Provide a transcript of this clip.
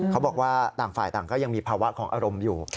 เขาบอกว่าต่างฝ่ายต่างก็ยังมีภาวะของอารมณ์อยู่